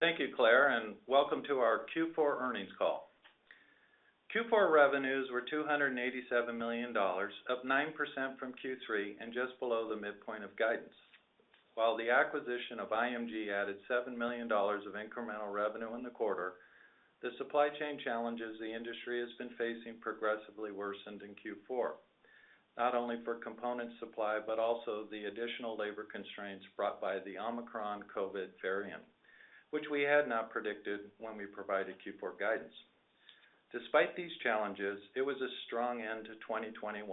Thank you, Claire, and welcome to our Q4 earnings call. Q4 revenues were $287 million, up 9% from Q3 and just below the midpoint of guidance. While the acquisition of IMG added $7 million of incremental revenue in the quarter, the supply chain challenges the industry has been facing progressively worsened in Q4, not only for component supply, but also the additional labor constraints brought by the Omicron COVID variant, which we had not predicted when we provided Q4 guidance. Despite these challenges, it was a strong end to 2021,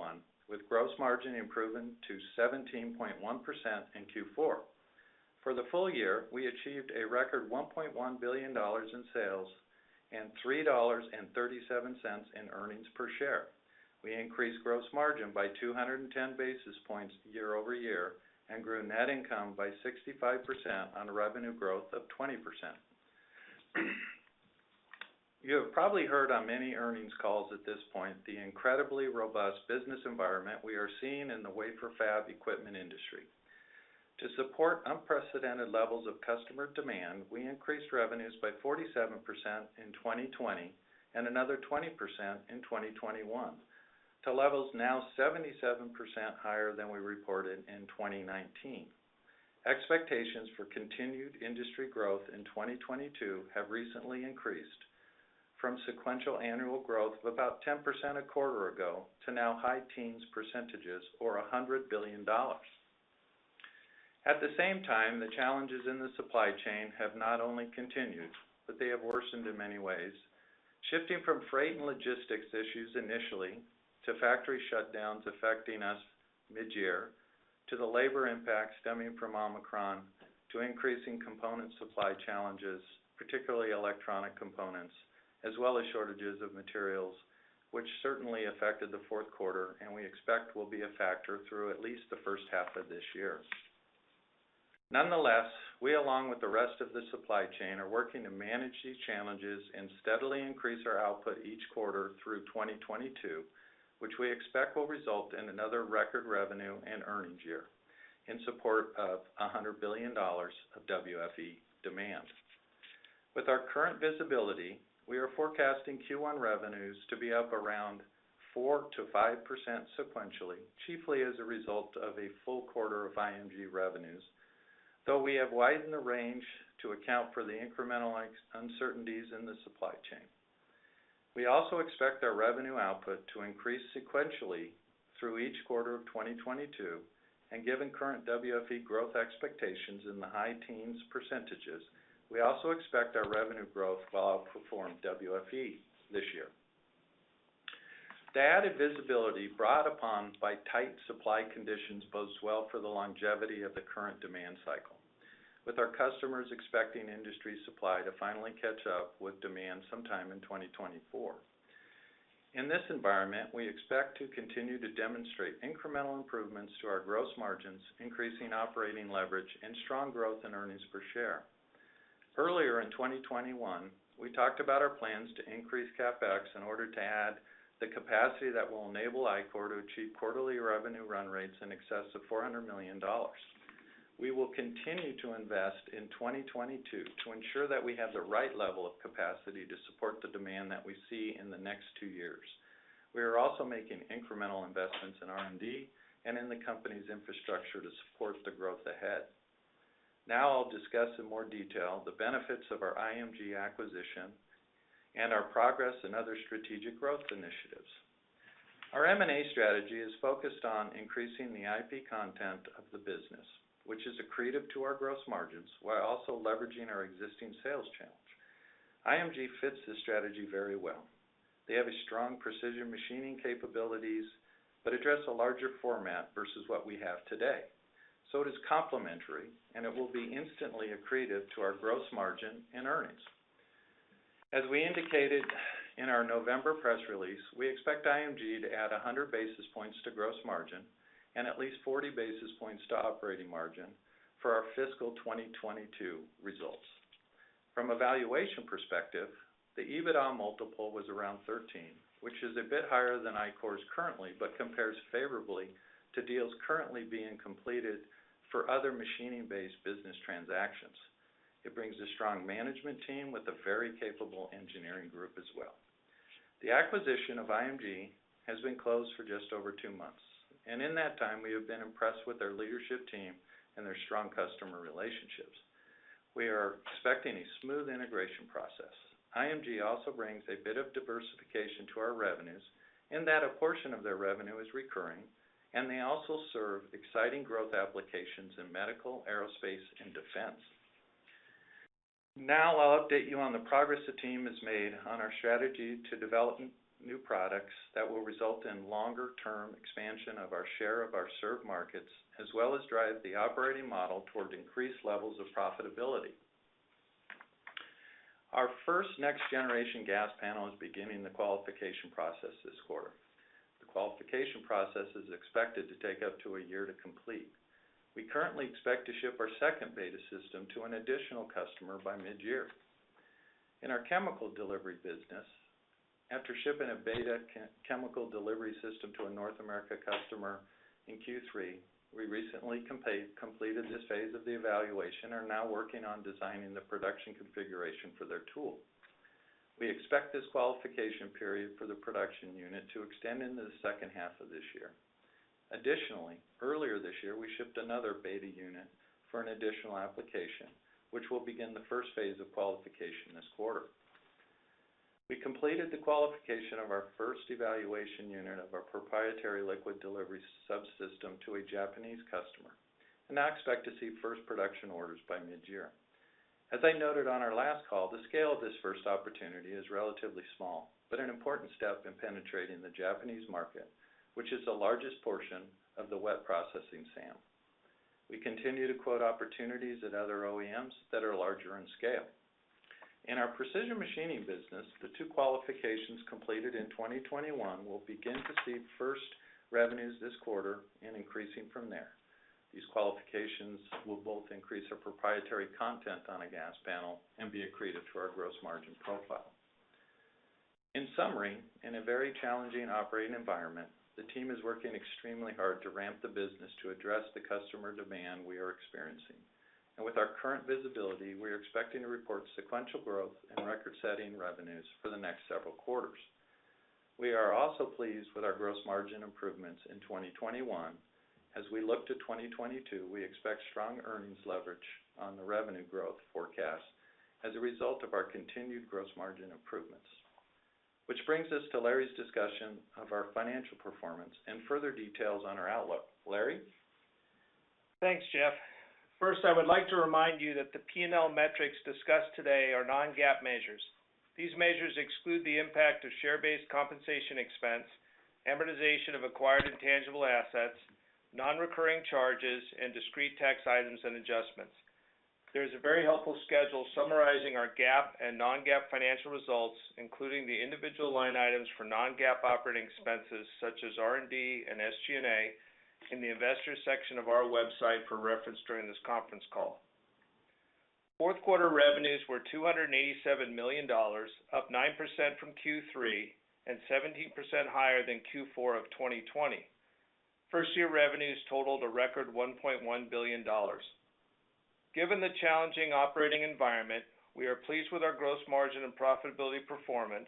with gross margin improving to 17.1% in Q4. For the full year, we achieved a record $1.1 billion in sales and $3.37 in earnings per share. We increased gross margin by 210 basis points year-over-year, and grew net income by 65% on a revenue growth of 20%. You have probably heard on many earnings calls at this point the incredibly robust business environment we are seeing in the wafer fab equipment industry. To support unprecedented levels of customer demand, we increased revenues by 47% in 2020 and another 20% in 2021 to levels now 77% higher than we reported in 2019. Expectations for continued industry growth in 2022 have recently increased from sequential annual growth of about 10% a quarter ago to now high teens percentages or $100 billion. At the same time, the challenges in the supply chain have not only continued, but they have worsened in many ways, shifting from freight and logistics issues initially to factory shutdowns affecting us mid-year, to the labor impact stemming from Omicron, to increasing component supply challenges, particularly electronic components, as well as shortages of materials, which certainly affected the fourth quarter and we expect will be a factor through at least the first half of this year. Nonetheless, we, along with the rest of the supply chain, are working to manage these challenges and steadily increase our output each quarter through 2022, which we expect will result in another record revenue and earnings year in support of $100 billion of WFE demand. With our current visibility, we are forecasting Q1 revenues to be up around 4%-5% sequentially, chiefly as a result of a full quarter of IMG revenues, though we have widened the range to account for the incremental uncertainties in the supply chain. We also expect our revenue output to increase sequentially through each quarter of 2022, and given current WFE growth expectations in the high teens percentages, we also expect our revenue growth will outperform WFE this year. The added visibility brought upon by tight supply conditions bodes well for the longevity of the current demand cycle, with our customers expecting industry supply to finally catch up with demand sometime in 2024. In this environment, we expect to continue to demonstrate incremental improvements to our gross margins, increasing operating leverage and strong growth in earnings per share. Earlier in 2021, we talked about our plans to increase CapEx in order to add the capacity that will enable Ichor to achieve quarterly revenue run rates in excess of $400 million. We will continue to invest in 2022 to ensure that we have the right level of capacity to support the demand that we see in the next two years. We are also making incremental investments in R&D and in the company's infrastructure to support the growth ahead. Now I'll discuss in more detail the benefits of our IMG acquisition and our progress in other strategic growth initiatives. Our M&A strategy is focused on increasing the IP content of the business, which is accretive to our gross margins, while also leveraging our existing sales channel. IMG fits this strategy very well. They have a strong precision machining capabilities, but address a larger format versus what we have today. It is complementary, and it will be instantly accretive to our gross margin and earnings. As we indicated in our November press release, we expect IMG to add 100 basis points to gross margin and at least 40 basis points to operating margin for our fiscal 2022 results. From a valuation perspective, the EBITDA multiple was around 13, which is a bit higher than Ichor's currently, but compares favorably to deals currently being completed for other machining-based business transactions. It brings a strong management team with a very capable engineering group as well. The acquisition of IMG has been closed for just over two months, and in that time, we have been impressed with their leadership team and their strong customer relationships. We are expecting a smooth integration process. IMG also brings a bit of diversification to our revenues in that a portion of their revenue is recurring, and they also serve exciting growth applications in medical, aerospace, and defense. Now I'll update you on the progress the team has made on our strategy to develop new products that will result in longer-term expansion of our share of our served markets, as well as drive the operating model toward increased levels of profitability. Our first next-generation gas panel is beginning the qualification process this quarter. The qualification process is expected to take up to a year to complete. We currently expect to ship our second beta system to an additional customer by mid-year. In our chemical delivery business, after shipping a beta chemical delivery system to a North American customer in Q3, we recently completed this phase of the evaluation, are now working on designing the production configuration for their tool. We expect this qualification period for the production unit to extend into the second half of this year. Additionally, earlier this year, we shipped another beta unit for an additional application, which will begin the first phase of qualification this quarter. We completed the qualification of our first evaluation unit of our proprietary liquid delivery subsystem to a Japanese customer, and now expect to see first production orders by mid-year. As I noted on our last call, the scale of this first opportunity is relatively small, but an important step in penetrating the Japanese market, which is the largest portion of the wet processing SAM. We continue to quote opportunities at other OEMs that are larger in scale. In our precision machining business, the two qualifications completed in 2021 will begin to see first revenues this quarter and increasing from there. These qualifications will both increase our proprietary content on a gas panel and be accretive to our gross margin profile. In summary, in a very challenging operating environment, the team is working extremely hard to ramp the business to address the customer demand we are experiencing. With our current visibility, we are expecting to report sequential growth and record-setting revenues for the next several quarters. We are also pleased with our gross margin improvements in 2021. As we look to 2022, we expect strong earnings leverage on the revenue growth forecast as a result of our continued gross margin improvements. Which brings us to Larry's discussion of our financial performance and further details on our outlook. Larry? Thanks, Jeff. First, I would like to remind you that the P&L metrics discussed today are non-GAAP measures. These measures exclude the impact of share-based compensation expense, amortization of acquired intangible assets, non-recurring charges, and discrete tax items and adjustments. There is a very helpful schedule summarizing our GAAP and non-GAAP financial results, including the individual line items for non-GAAP operating expenses such as R&D and SG&A in the investors section of our website for reference during this conference call. Fourth quarter revenues were $287 million, up 9% from Q3, and 17% higher than Q4 of 2020. Full-year revenues totaled a record $1.1 billion. Given the challenging operating environment, we are pleased with our gross margin and profitability performance.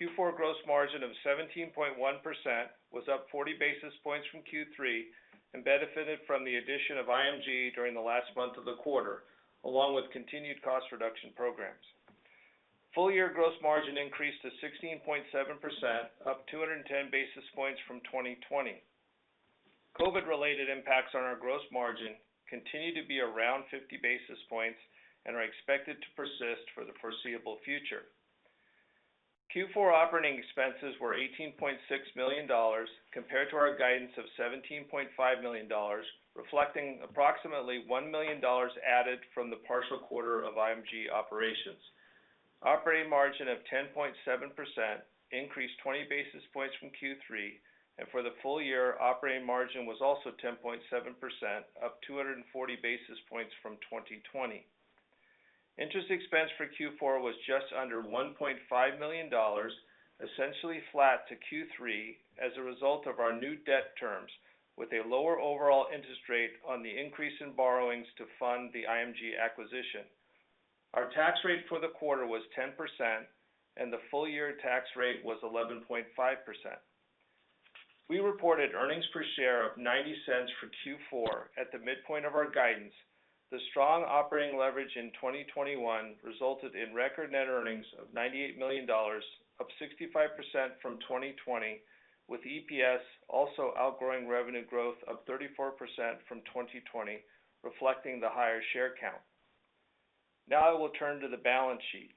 Q4 gross margin of 17.1% was up 40 basis points from Q3 and benefited from the addition of IMG during the last month of the quarter, along with continued cost reduction programs. Full-year gross margin increased to 16.7%, up 210 basis points from 2020. COVID-related impacts on our gross margin continue to be around 50 basis points and are expected to persist for the foreseeable future. Q4 operating expenses were $18.6 million compared to our guidance of $17.5 million, reflecting approximately $1 million added from the partial quarter of IMG operations. Operating margin of 10.7% increased 20 basis points from Q3, and for the full year, operating margin was also 10.7%, up 240 basis points from 2020. Interest expense for Q4 was just under $1.5 million, essentially flat to Q3 as a result of our new debt terms, with a lower overall interest rate on the increase in borrowings to fund the IMG acquisition. Our tax rate for the quarter was 10%, and the full-year tax rate was 11.5%. We reported earnings per share of $0.90 for Q4 at the midpoint of our guidance. The strong operating leverage in 2021 resulted in record net earnings of $98 million, up 65% from 2020, with EPS also outgrowing revenue growth of 34% from 2020, reflecting the higher share count. Now I will turn to the balance sheet.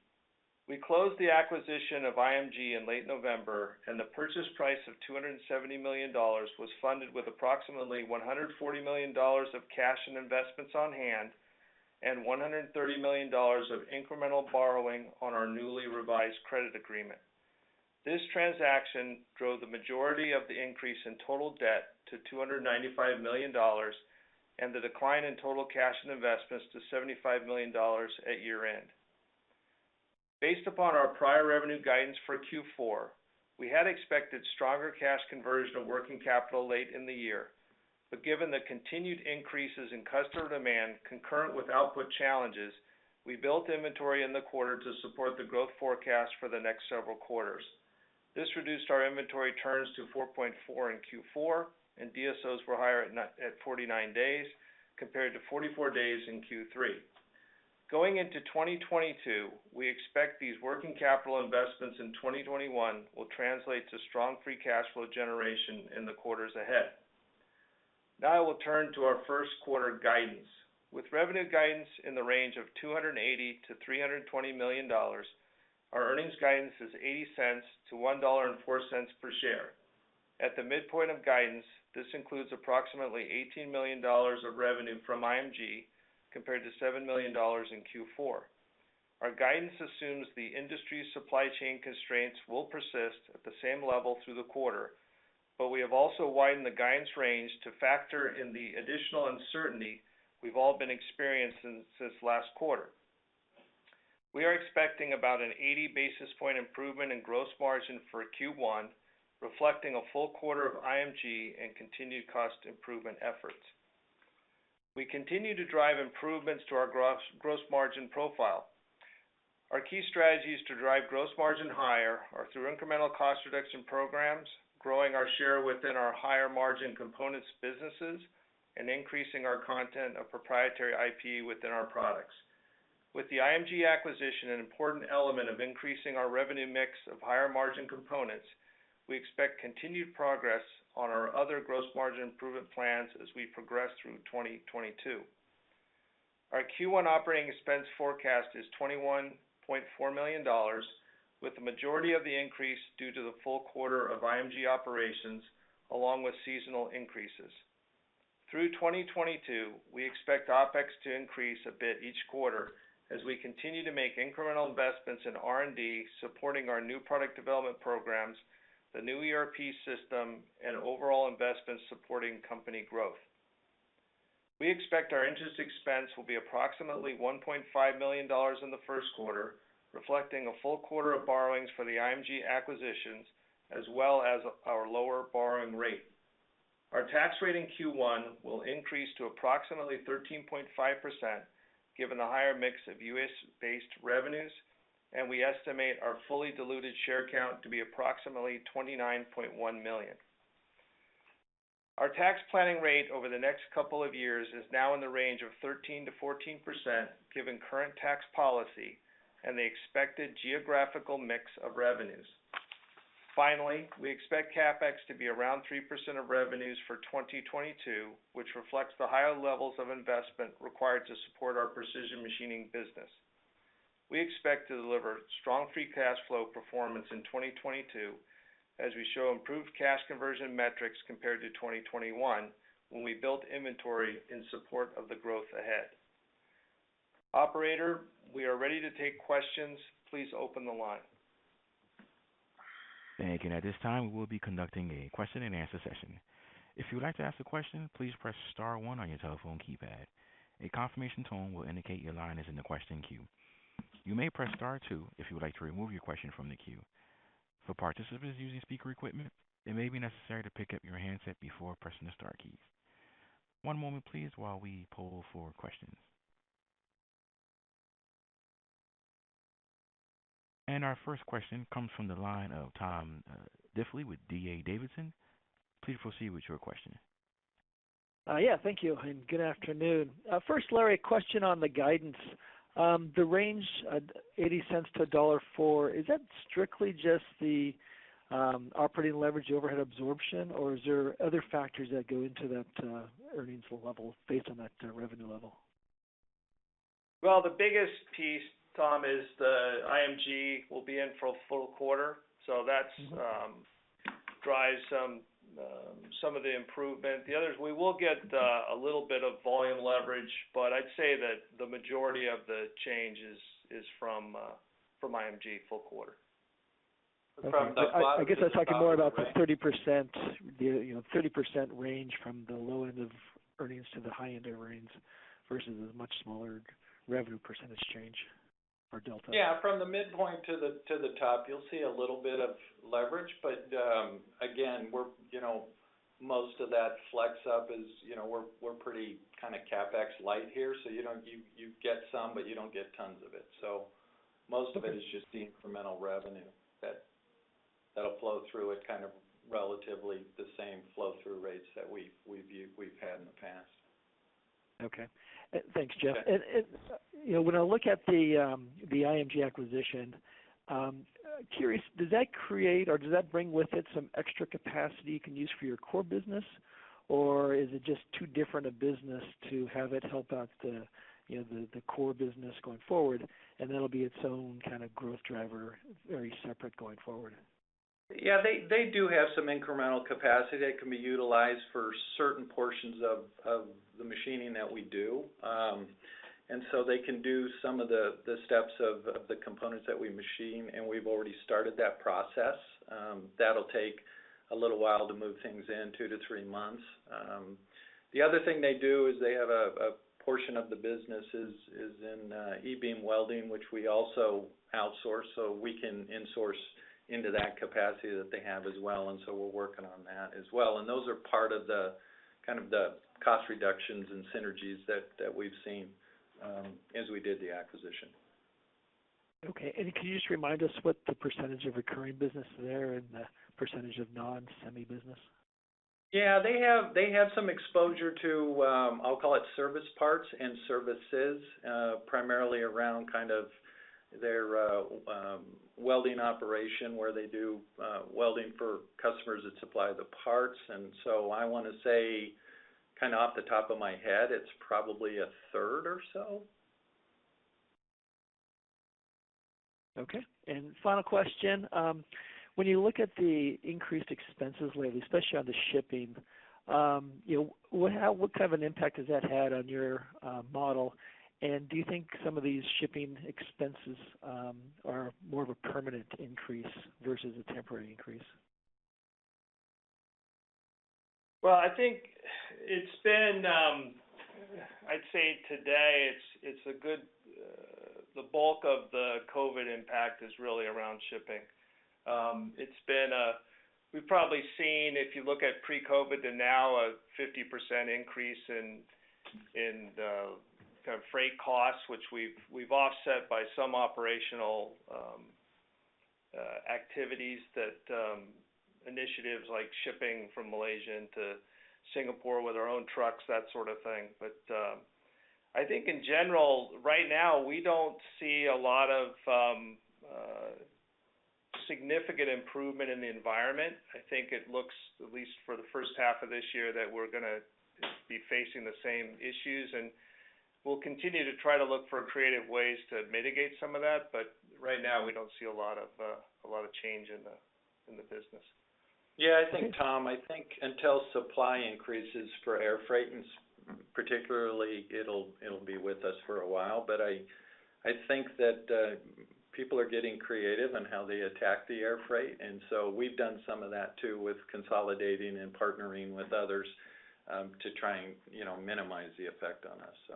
We closed the acquisition of IMG in late November, and the purchase price of $270 million was funded with approximately $140 million of cash and investments on hand and $130 million of incremental borrowing on our newly revised credit agreement. This transaction drove the majority of the increase in total debt to $295 million and the decline in total cash and investments to $75 million at year-end. Based upon our prior revenue guidance for Q4, we had expected stronger cash conversion of working capital late in the year. Given the continued increases in customer demand concurrent with output challenges, we built inventory in the quarter to support the growth forecast for the next several quarters. This reduced our inventory turns to 4.4 in Q4, and DSOs were higher at 49 days compared to 44 days in Q3. Going into 2022, we expect these working capital investments in 2021 will translate to strong free cash flow generation in the quarters ahead. Now I will turn to our first quarter guidance. With revenue guidance in the range of $280 million-$320 million, our earnings guidance is $0.80-$1.04 per share. At the midpoint of guidance, this includes approximately $18 million of revenue from IMG compared to $7 million in Q4. Our guidance assumes the industry supply chain constraints will persist at the same level through the quarter. But we have also widened the guidance range to factor in the additional uncertainty we've all been experiencing since last quarter. We are expecting about an 80 basis point improvement in gross margin for Q1, reflecting a full quarter of IMG and continued cost improvement efforts. We continue to drive improvements to our gross margin profile. Our key strategies to drive gross margin higher are through incremental cost reduction programs, growing our share within our higher margin components businesses, and increasing our content of proprietary IP within our products. With the IMG acquisition, an important element of increasing our revenue mix of higher margin components, we expect continued progress on our other gross margin improvement plans as we progress through 2022. Our Q1 operating expense forecast is $21.4 million, with the majority of the increase due to the full quarter of IMG operations, along with seasonal increases. Through 2022, we expect OpEx to increase a bit each quarter as we continue to make incremental investments in R&D, supporting our new product development programs, the new ERP system, and overall investments supporting company growth. We expect our interest expense will be approximately $1.5 million in the first quarter, reflecting a full quarter of borrowings for the IMG acquisitions as well as our lower borrowing rate. Our tax rate in Q1 will increase to approximately 13.5% given the higher mix of U.S.-based revenues, and we estimate our fully diluted share count to be approximately 29.1 million. Our tax planning rate over the next couple of years is now in the range of 13%-14% given current tax policy and the expected geographical mix of revenues. Finally, we expect CapEx to be around 3% of revenues for 2022, which reflects the higher levels of investment required to support our precision machining business. We expect to deliver strong free cash flow performance in 2022 as we show improved cash conversion metrics compared to 2021 when we built inventory in support of the growth ahead. Operator, we are ready to take questions. Please open the line. Thank you. At this time, we will be conducting a Q&A session. If you would like to ask a question, please press star one on your telephone keypad. A confirmation tone will indicate your line is in the question queue. You may press star two if you would like to remove your question from the queue. For participants using speaker equipment, it may be necessary to pick up your handset before pressing the star keys. One moment please while we poll for questions. Our first question comes from the line of Tom Diffley with D.A. Davidson. Please proceed with your question. Yeah, thank you, and good afternoon. First, Larry, a question on the guidance. The range at $0.80-$1.04 per share, is that strictly just the operating leverage overhead absorption, or is there other factors that go into that earnings level based on that revenue level? Well, the biggest piece, Tom, is the IMG will be in for a full quarter, so that's drives some of the improvement. The others, we will get a little bit of volume leverage, but I'd say that the majority of the change is from IMG full quarter. I guess I was talking more about the 30%, you know, 30% range from the low end of earnings to the high end of earnings versus the much smaller revenue percentage change or delta. Yeah. From the midpoint to the top, you'll see a little bit of leverage. Again, most of that flex up is, you know, we're pretty kind of CapEx light here, so you don't, you get some, but you don't get tons of it. Most of it is just the incremental revenue that'll flow through at kind of relatively the same flow through rates that we've had in the past. Okay. Thanks, Jeff. You know, when I look at the IMG acquisition, curious, does that create or does that bring with it some extra capacity you can use for your core business, or is it just too different a business to have it help out the, you know, the core business going forward, and that'll be its own kind of growth driver, very separate going forward? Yeah. They do have some incremental capacity that can be utilized for certain portions of the machining that we do. They can do some of the steps of the components that we machine, and we've already started that process. That'll take a little while to move things in, two to three months. The other thing they do is they have a portion of the business is in e-beam welding, which we also outsource, so we can insource into that capacity that they have as well. We're working on that as well. Those are part of the kind of cost reductions and synergies that we've seen as we did the acquisition. Okay. Can you just remind us what the percentage of recurring business there and the percentage of non-semi business? Yeah. They have some exposure to, I'll call it service parts and services, primarily around kind of their welding operation where they do welding for customers that supply the parts. I wanna say, kind of off the top of my head, it's probably a third or so. Okay. Final question. When you look at the increased expenses lately, especially on the shipping, you know, what kind of an impact has that had on your model? Do you think some of these shipping expenses are more of a permanent increase versus a temporary increase? Well, I think it's been. I'd say today it's the bulk of the COVID impact is really around shipping. It's been a. We've probably seen, if you look at pre-COVID to now, a 50% increase in the kind of freight costs, which we've offset by some operational activities that initiatives like shipping from Malaysia into Singapore with our own trucks, that sort of thing. I think in general, right now we don't see a lot of significant improvement in the environment. I think it looks, at least for the first half of this year, that we're gonna be facing the same issues. We'll continue to try to look for creative ways to mitigate some of that. Right now, we don't see a lot of change in the business. Yeah, I think, Tom, until supply increases for air freight, and particularly it'll be with us for a while. I think that people are getting creative on how they attack the air freight. We've done some of that too, with consolidating and partnering with others, to try and, you know, minimize the effect on us, so.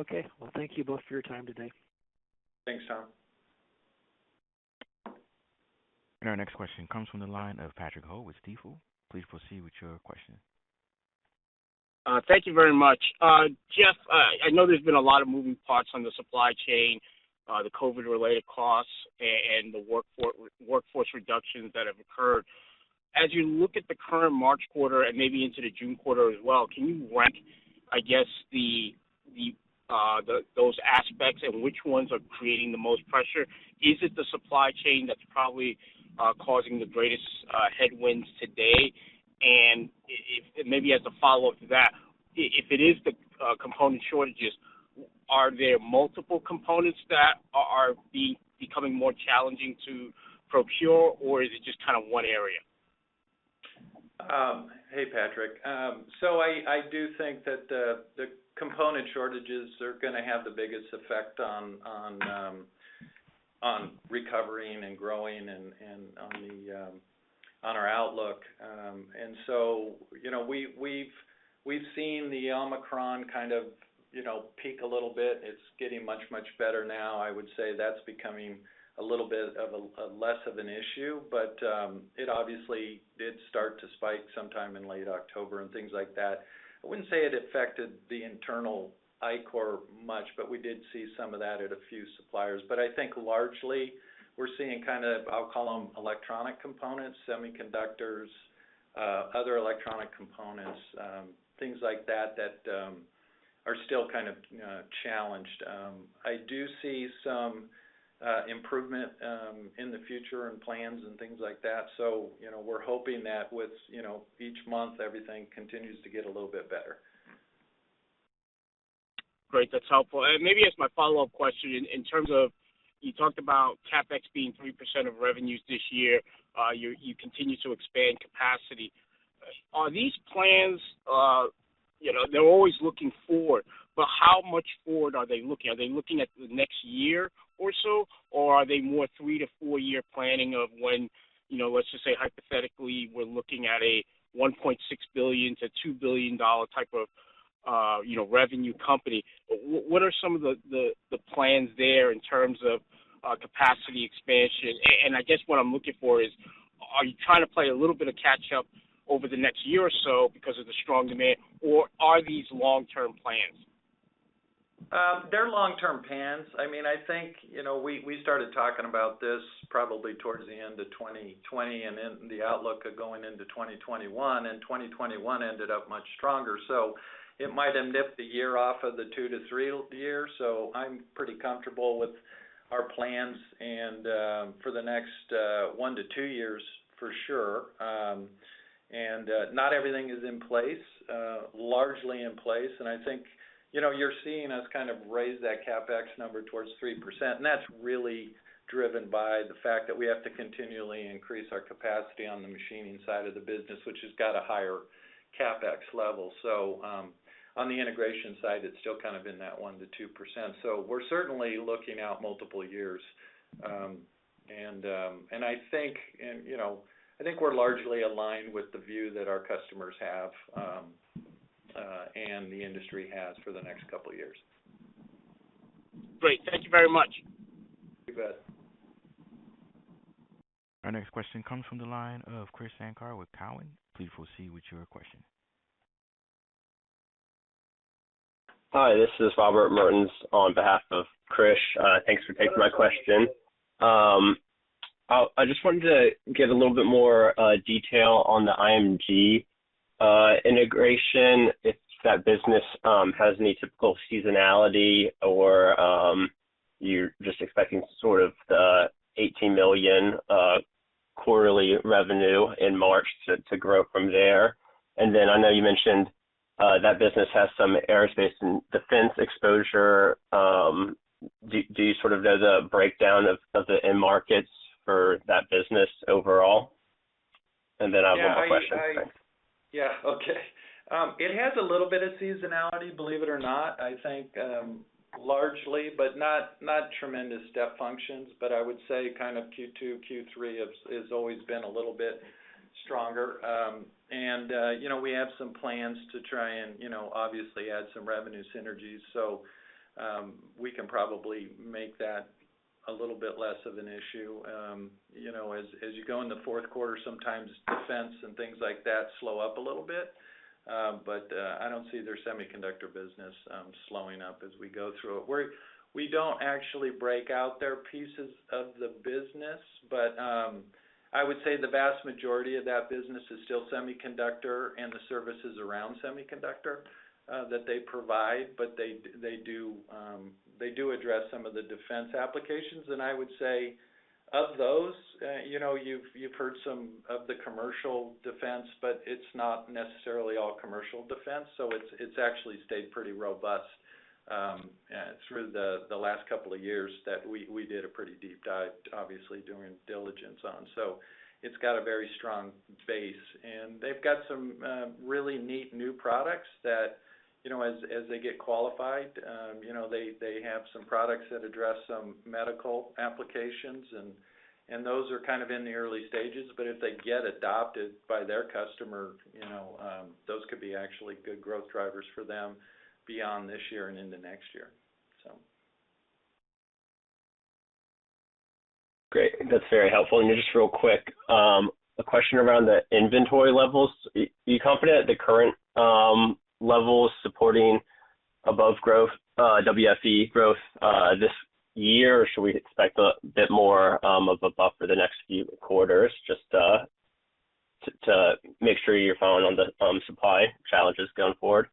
Okay. Well, thank you both for your time today. Thanks, Tom. Our next question comes from the line of Patrick Ho with Stifel. Please proceed with your question. Thank you very much. Jeff, I know there's been a lot of moving parts on the supply chain, the COVID-related costs and the workforce reductions that have occurred. As you look at the current March quarter and maybe into the June quarter as well, can you rank, I guess, those aspects and which ones are creating the most pressure? Is it the supply chain that's probably causing the greatest headwinds today? If, maybe as a follow-up to that, if it is the component shortages, are there multiple components that are becoming more challenging to procure, or is it just kind of one area? Hey, Patrick. So I do think that the component shortages are gonna have the biggest effect on recovering and growing and on our outlook. You know, we've seen the Omicron kind of peak a little bit. It's getting much better now. I would say that's becoming a little bit less of an issue. It obviously did start to spike sometime in late October and things like that. I wouldn't say it affected the internal Ichor much, but we did see some of that at a few suppliers. I think largely we're seeing kind of electronic components, semiconductors, other electronic components, things like that that are still kind of challenged. I do see some improvement in the future and plans and things like that. You know, we're hoping that with, you know, each month, everything continues to get a little bit better. Great. That's helpful. Maybe as my follow-up question, in terms of you talked about CapEx being 3% of revenues this year, you continue to expand capacity. Are these plans, you know, they're always looking forward, but how much forward are they looking? Are they looking at the next year or so, or are they more three- to four-year planning of when, you know, let's just say hypothetically, we're looking at a $1.6 billion-$2 billion dollar type of, you know, revenue company. What are some of the plans there in terms of capacity expansion? I guess what I'm looking for is, are you trying to play a little bit of catch-up over the next year or so because of the strong demand, or are these long-term plans? They're long-term plans. I mean, I think, you know, we started talking about this probably towards the end of 2020 and then the outlook of going into 2021, and 2021 ended up much stronger. So it might have nipped a year off of the two to three years. So I'm pretty comfortable with our plans and for the next one to two years for sure. Not everything is in place, largely in place. I think, you know, you're seeing us kind of raise that CapEx number towards 3%, and that's really driven by the fact that we have to continually increase our capacity on the machining side of the business, which has got a higher CapEx level. So on the integration side, it's still kind of in that 1%-2%. We're certainly looking out multiple years. I think, you know, we're largely aligned with the view that our customers have, and the industry has for the next couple of years. Great. Thank you very much. You bet. Our next question comes from the line of Krish Sankar with Cowen. Please proceed with your question. Hi, this is Robert Mertens on behalf of Krish. Thanks for taking my question. I just wanted to get a little bit more detail on the IMG integration, if that business has any typical seasonality or you're just expecting sort of the $18 million quarterly revenue in March to grow from there. I know you mentioned that business has some aerospace and defense exposure. Do you sort of know the breakdown of the end markets for that business overall? I have one more question. Thanks. Yeah. Okay. It has a little bit of seasonality, believe it or not. I think largely, but not tremendous step functions. I would say kind of Q2, Q3 has always been a little bit stronger. You know, we have some plans to try and, you know, obviously add some revenue synergies. We can probably make that a little bit less of an issue. You know, as you go in the fourth quarter, sometimes defense and things like that slow up a little bit. I don't see their semiconductor business slowing up as we go through it. We don't actually break out their pieces of the business, but I would say the vast majority of that business is still semiconductor and the services around semiconductor that they provide. They do address some of the defense applications. I would say of those, you know, you've heard some of the commercial defense, but it's not necessarily all commercial defense. It's actually stayed pretty robust through the last couple of years that we did a pretty deep dive, obviously during diligence on. It's got a very strong base. They've got some really neat new products that, you know, as they get qualified, you know, they have some products that address some medical applications and those are kind of in the early stages. If they get adopted by their customer, you know, those could be actually good growth drivers for them beyond this year and into next year. Great. That's very helpful. Just real quick, a question around the inventory levels. Are you confident the current levels supporting above growth, WFE growth, this year? Or should we expect a bit more of a bump for the next few quarters just to make sure you're following on the supply challenges going forward?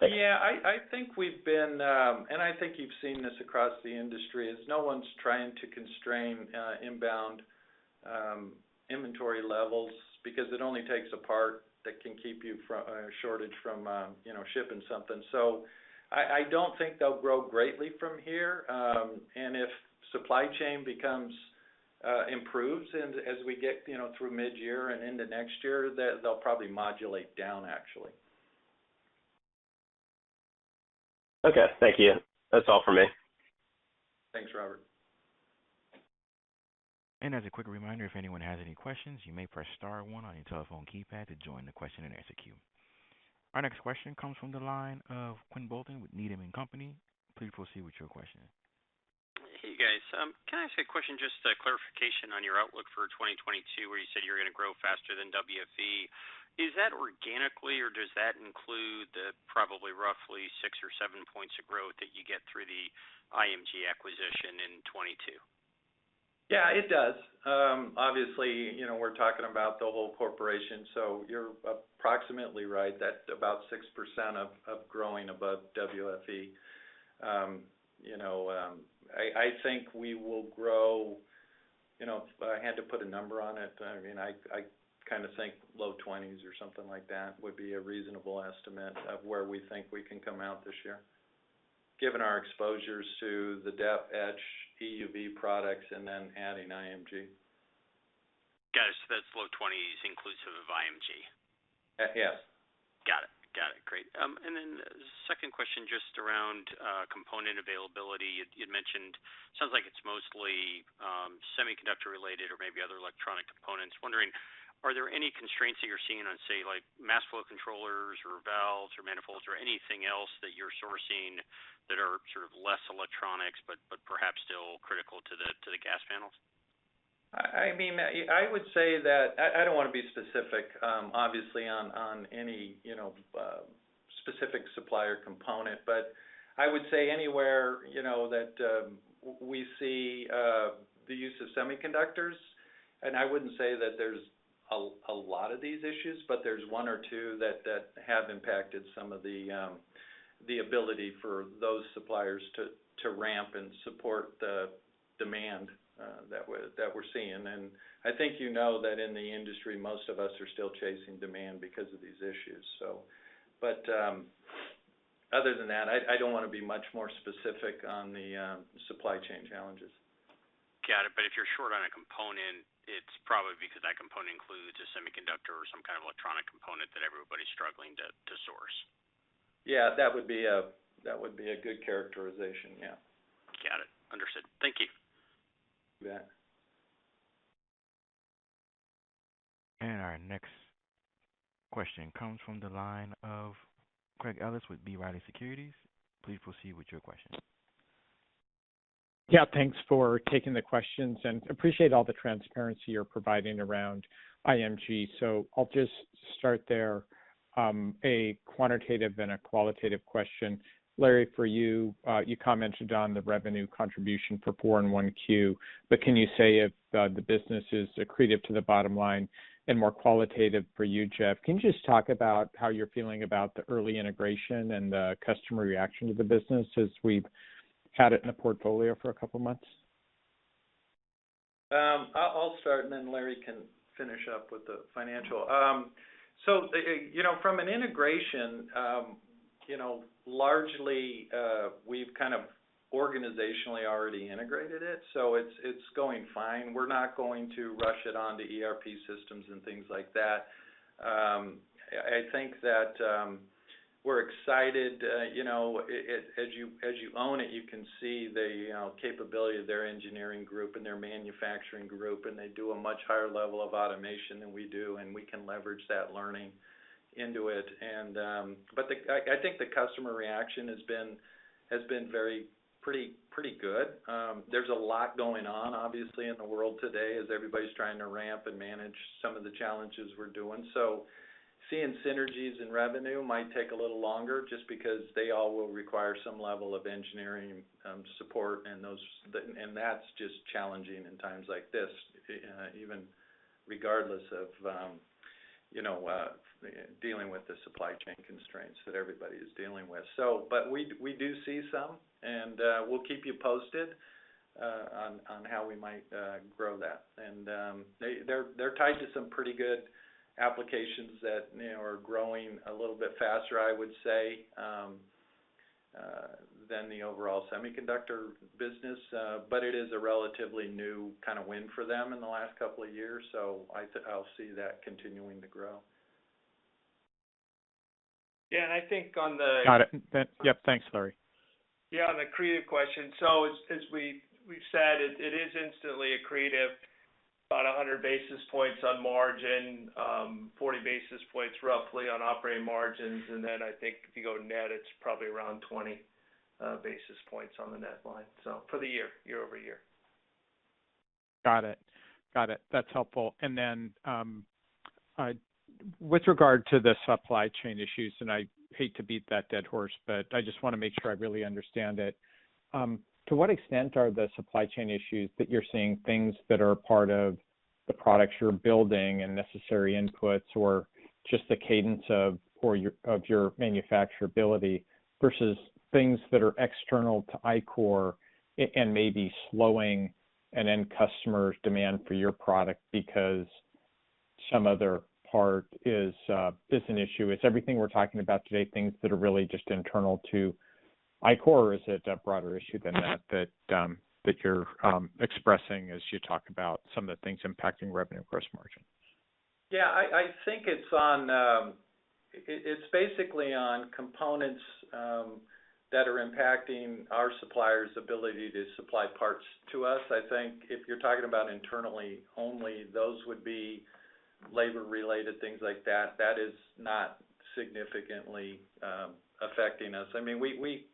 Thank you. Yeah, I think we've been. I think you've seen this across the industry, is no one's trying to constrain inbound inventory levels because it only takes a part that can keep you from a shortage from you know shipping something. I don't think they'll grow greatly from here. If supply chain improves and as we get you know through mid-year and into next year, they'll probably modulate down actually. Okay. Thank you. That's all for me. Thanks, Robert. As a quick reminder, if anyone has any questions, you may press star one on your telephone keypad to join the Q&A queue. Our next question comes from the line of Quinn Bolton with Needham & Company. Please proceed with your question. Hey, guys. Can I ask a question just a clarification on your outlook for 2022, where you said you're gonna grow faster than WFE? Is that organically, or does that include the probably roughly 6 or 7 points of growth that you get through the IMG acquisition in 2022? Yeah, it does. Obviously, you know, we're talking about the whole corporation, so you're approximately right. That's about 6% growth above WFE. You know, I think we will grow. You know, if I had to put a number on it, I mean, I kinda think low twenties or something like that would be a reasonable estimate of where we think we can come out this year, given our exposures to the dep/etch EUV products and then adding IMG. Got it. That's low 20s inclusive of IMG. Yes. Got it. Great. Second question, just around component availability. You'd mentioned sounds like it's mostly semiconductor related or maybe other electronic components. Wondering, are there any constraints that you're seeing on, say, like mass flow controllers or valves or manifolds or anything else that you're sourcing that are sort of less electronics but perhaps still critical to the gas panels? I mean, I would say that I don't wanna be specific, obviously on any, you know, specific supplier component, but I would say anywhere, you know, that we see the use of semiconductors, and I wouldn't say that there's a lot of these issues, but there's one or two that have impacted some of the ability for those suppliers to ramp and support the demand that we're seeing. I think you know that in the industry, most of us are still chasing demand because of these issues. Other than that, I don't wanna be much more specific on the supply chain challenges. Got it. If you're short on a component, it's probably because that component includes a semiconductor or some kind of electronic component that everybody's struggling to source. Yeah, that would be a good characterization, yeah. Got it. Understood. Thank you. You bet. Our next question comes from the line of Craig Ellis with B. Riley Securities. Please proceed with your question. Yeah, thanks for taking the questions and appreciate all the transparency you're providing around IMG, so I'll just start there. A quantitative and a qualitative question. Larry, for you commented on the revenue contribution from IMG in 1Q. But can you say if the business is accretive to the bottom line? More qualitative for you, Jeff, can you just talk about how you're feeling about the early integration and the customer reaction to the business as we've had it in the portfolio for a couple of months? I'll start and then Larry can finish up with the financial. You know, from an integration, you know, largely, we've kind of organizationally already integrated it, so it's going fine. We're not going to rush it onto ERP systems and things like that. I think that we're excited. You know, as you know it, you can see the, you know, capability of their engineering group and their manufacturing group, and they do a much higher level of automation than we do, and we can leverage that learning into it. I think the customer reaction has been very, pretty good. There's a lot going on, obviously, in the world today as everybody's trying to ramp and manage some of the challenges we're doing. Seeing synergies in revenue might take a little longer just because they all will require some level of engineering support. That's just challenging in times like this, even regardless of, you know, dealing with the supply chain constraints that everybody is dealing with. But we do see some and we'll keep you posted on how we might grow that. They're tied to some pretty good applications that, you know, are growing a little bit faster, I would say, than the overall semiconductor business. But it is a relatively new kind of win for them in the last couple of years, so I'll see that continuing to grow. Yeah, I think on the... Got it. Yep, thanks, Larry. Yeah, on the accretive question. As we've said, it is instantly accretive, about 100 basis points on margin, 40 basis points roughly on operating margins. I think if you go net, it's probably around 20 basis points on the net line. For the year-over-year. Got it. That's helpful. With regard to the supply chain issues, I hate to beat that dead horse, but I just wanna make sure I really understand it. To what extent are the supply chain issues that you're seeing things that are part of the products you're building and necessary inputs or just the cadence of your manufacturability versus things that are external to Ichor and maybe slowing an end customer's demand for your product because some other part is an issue? Is it everything we're talking about today, things that are really just internal to Ichor, or is it a broader issue than that you're expressing as you talk about some of the things impacting revenue, gross margin? Yeah. I think it's basically on components that are impacting our suppliers' ability to supply parts to us. I think if you're talking about internally only, those would be labor-related, things like that. That is not significantly affecting us. I mean, we,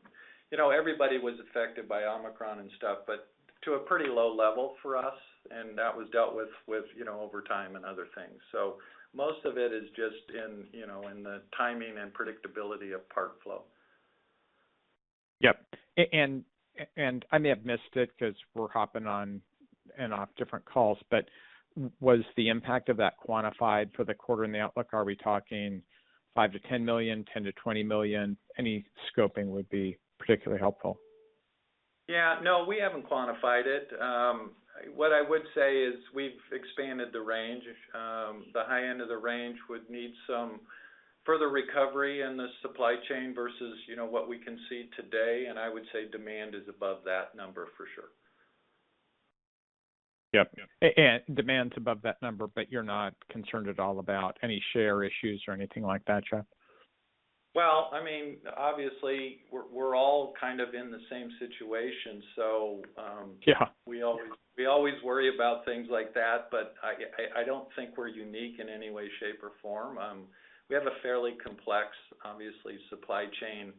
you know, everybody was affected by Omicron and stuff, but to a pretty low level for us, and that was dealt with, you know, overtime and other things. Most of it is just in, you know, the timing and predictability of part flow. Yep. I may have missed it 'cause we're hopping on and off different calls, but was the impact of that quantified for the quarter and the outlook? Are we talking $5 million-$10 million, $10 million-$20 million? Any scoping would be particularly helpful. Yeah. No, we haven't quantified it. What I would say is we've expanded the range. The high end of the range would need some further recovery in the supply chain versus, you know, what we can see today, and I would say demand is above that number for sure. Yep. Demand's above that number, but you're not concerned at all about any share issues or anything like that, Jeff? Well, I mean, obviously, we're all kind of in the same situation, so. Yeah We always worry about things like that, but I don't think we're unique in any way, shape, or form. We have a fairly complex, obviously, supply chain,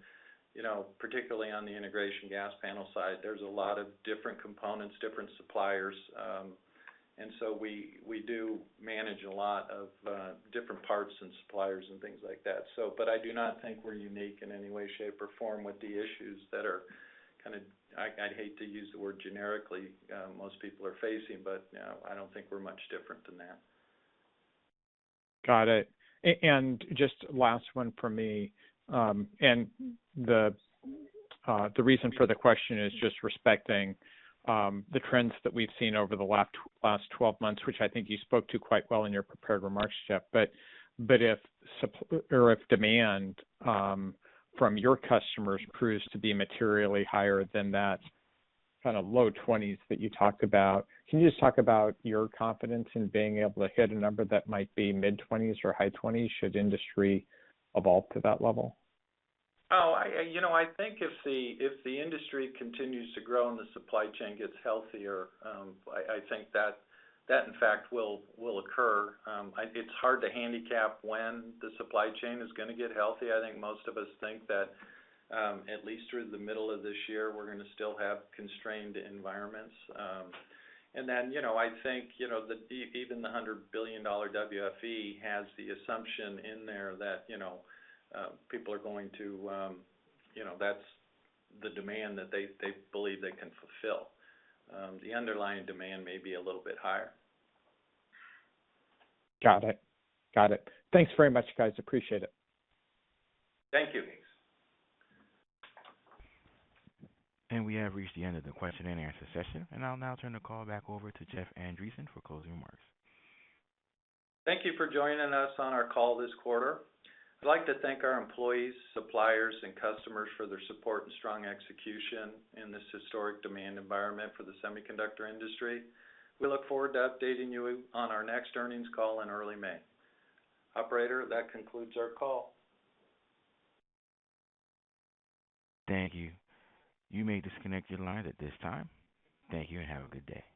you know, particularly on the integrated gas panel side. There's a lot of different components, different suppliers, and so we do manage a lot of different parts and suppliers and things like that. I do not think we're unique in any way, shape, or form with the issues that are kind of, I'd hate to use the word generically, most people are facing. You know, I don't think we're much different than that. Got it. Just last one from me. The reason for the question is just respecting the trends that we've seen over the last 12 months, which I think you spoke to quite well in your prepared remarks, Jeff. If demand from your customers proves to be materially higher than that kind of low 20s that you talked about, can you just talk about your confidence in being able to hit a number that might be mid-20s or high 20s should industry evolve to that level? You know, I think if the industry continues to grow and the supply chain gets healthier, I think that in fact will occur. It's hard to handicap when the supply chain is gonna get healthy. I think most of us think that at least through the middle of this year, we're gonna still have constrained environments. I think even the $100 billion WFE has the assumption in there that people are going to, that's the demand that they believe they can fulfill. The underlying demand may be a little bit higher. Got it. Thanks very much, guys. Appreciate it. Thank you. We have reached the end of the Q&A session, and I'll now turn the call back over to Jeff Andreson for closing remarks. Thank you for joining us on our call this quarter. I'd like to thank our employees, suppliers, and customers for their support and strong execution in this historic demand environment for the semiconductor industry. We look forward to updating you on our next earnings call in early May. Operator, that concludes our call. Thank you. You may disconnect your line at this time. Thank you, and have a good day.